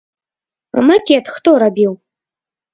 А макет хто рабіў?